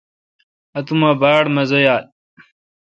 اتوما باڑ مزہ یال۔